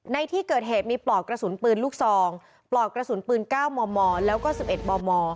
ในที่เกิดเหตุมีปลอกกระสุนปืนลูกซองปลอกกระสุนปืน๙มมแล้วก็๑๑มม